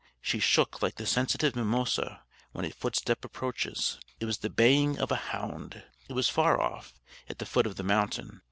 She shook like the sensitive mimosa when a footstep approaches. It was the baying of a hound! It was far off at the foot of the mountain.